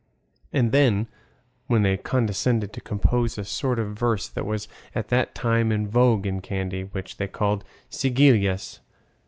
And then, when they condescend to compose a sort of verse that was at that time in vogue in Kandy, which they call seguidillas!